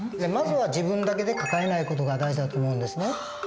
まずは自分だけで抱えない事が大事だと思うんですね。